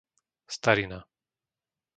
Starina